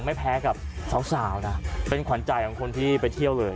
ไม่แพ้กับสาวนะเป็นขวัญใจของคนที่ไปเที่ยวเลย